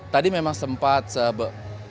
tadi memang sempat sebe